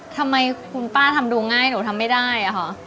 ทำไมคุณป้าทำดูง่ายหนูทำไม่ได้อะค่ะ